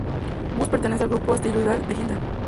Bus pertenece al grupo asteroidal de Hilda.